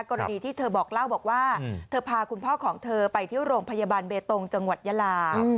กรณีที่เธอบอกเล่าบอกว่าเธอพาคุณพ่อของเธอไปที่โรงพยาบาลเบตงจังหวัดยาลา